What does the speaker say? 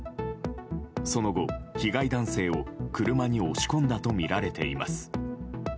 その後、被害男性を車に押し込んだとみられています。